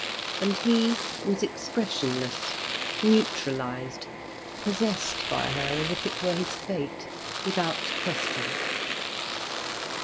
And he was expressionless, neutralised, possessed by her as if it were his fate, without question.